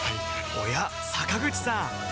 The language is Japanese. おや坂口さん